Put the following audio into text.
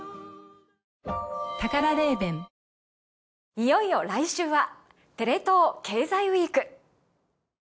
いよいよ来週はテレ東経済ＷＥＥＫ。